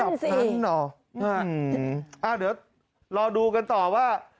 นั่นสิอ่ะเดี๋ยวรอดูกันต่อว่า